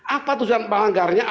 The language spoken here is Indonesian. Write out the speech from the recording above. apa tujuan pelanggarnya